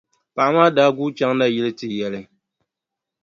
Paɣa maa daa guui chaŋ nayili n-ti yɛli.